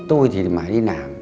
tôi thì mải đi làm